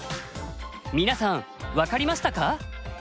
皆さん分かりましたか？